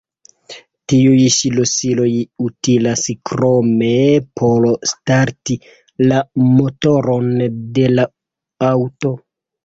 Tiuj ŝlosiloj utilas krome por starti la motoron de la aŭto.